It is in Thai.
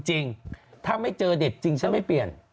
จริงถ้าไม่เจอเด็กจริงฉันไม่เปลี่ยน